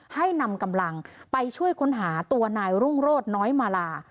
ให้นำกำลังไปช่วยค้นหาตัวนายรุ่งโรธน้อยมาลา